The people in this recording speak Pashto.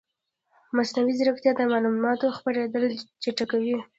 مصنوعي ځیرکتیا د معلوماتو خپرېدل چټکوي.